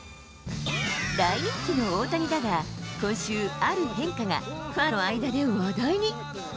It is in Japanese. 大人気の大谷だが、今週、ある変化がファンの間で話題に。